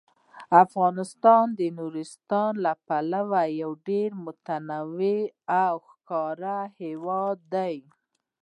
افغانستان د نورستان له پلوه یو ډیر متنوع او ښکلی هیواد دی.